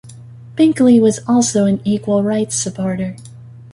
Binkley was also an equal-rights supporter.